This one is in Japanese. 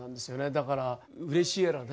だからうれしいやらね。